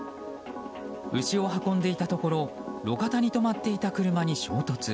牛を運んでいたところ路肩に止まっていた車に衝突。